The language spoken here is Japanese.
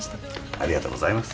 ありがとうございます。